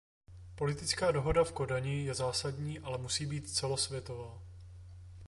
Politická dohoda v Kodani je zásadní, ale musí být celosvětová.